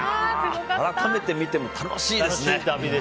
改めて見ても楽しいですね。